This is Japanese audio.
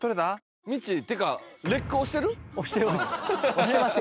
押してます。